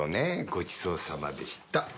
ごちそうさまでした。